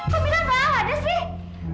kamilah gak ada sih